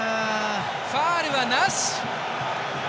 ファウルはなし。